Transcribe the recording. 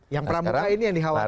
yang pramuka ini yang dikhawatir